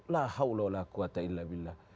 lahaulallah kuatailah billah